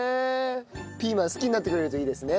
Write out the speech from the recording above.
ピーマン好きになってくれるといいですね。